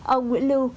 ông nguyễn lưu